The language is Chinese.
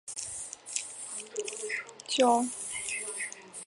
教父早期宗教作家及宣教师的统称。